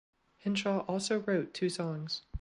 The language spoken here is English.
Henshaw also wrote two songs.